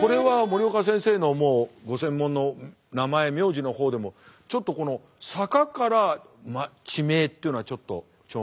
これは森岡先生のもうご専門の名前名字の方でもちょっとこの坂から地名っていうのはちょっと町名。